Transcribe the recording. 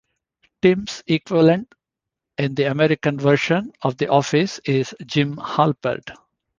Tim's equivalent in the American version of "The Office" is Jim Halpert.